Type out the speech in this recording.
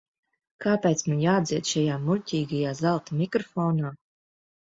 Kāpēc man jādzied šajā muļķīgajā zelta mikrofonā?